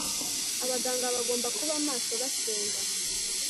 Abaganga bagomba kuba maso basenga